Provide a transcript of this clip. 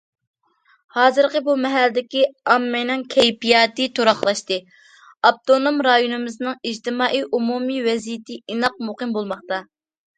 ھازىر، بۇ مەھەللىدىكى ئاممىنىڭ كەيپىياتى تۇراقلاشتى، ئاپتونوم رايونىمىزنىڭ ئىجتىمائىي ئومۇمىي ۋەزىيىتى ئىناق، مۇقىم بولماقتا.